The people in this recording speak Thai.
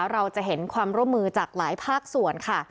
เราจะเห็นความร่วมมือจากหลายภาคส่วนค่ะ